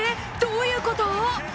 どういうこと？